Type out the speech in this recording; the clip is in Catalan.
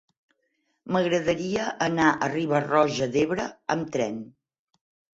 M'agradaria anar a Riba-roja d'Ebre amb tren.